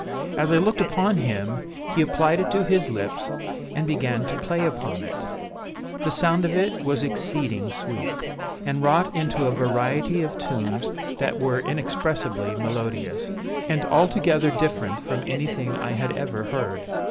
As I looked upon him, he applied it to his lips, and began to play upon it. The sound of it was exceeding sweet, and wrought into a variety of tunes that were inexpressibly melodious, and altogether different from anything I had ever heard.